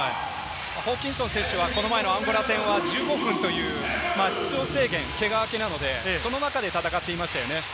ホーキンソン選手はこの前のアンゴラ戦は１５分という出場制限、ケガ明けなので、その中で戦っていましたね。